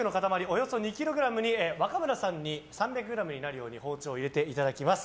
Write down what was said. およそ２ｋｇに若村さんに３００ｇになるよう包丁を入れていただきます。